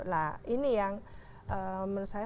nah ini yang menurut saya